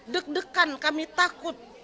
deg degan kami takut